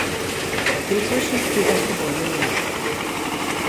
Inzwischen steht das Gebäude leer.